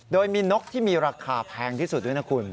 โดยมีนกที่มีราคาแพงที่สุดด้วยนะคุณ